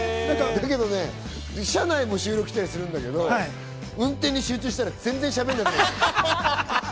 車内も収録したりするんだけど、運転に集中したら全然しゃべんなくなる。